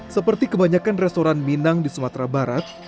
seperti kebanyakan restoran minang di sumatera barat